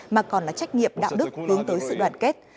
mà còn là trách nhiệm đạo đức hướng tới sự đoàn kết